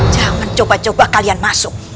jangan coba coba kalian masuk